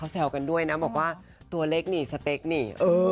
มาเจอกันด้วยนะที่ตัวเล็กนี่สเปคนี่